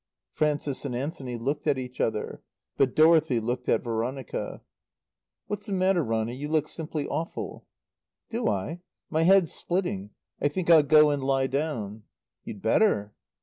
Frances and Anthony looked at each other. But Dorothy looked at Veronica. "What's the matter, Ronny? You look simply awful." "Do I? My head's splitting. I think I'll go and lie down." "You'd better."